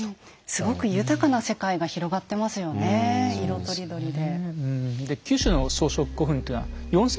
すごく豊かな世界が広がってますよね色とりどりで。